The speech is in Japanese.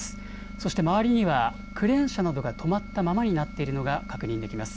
そして周りにはクレーン車などが止まったままになっているのが確認できます。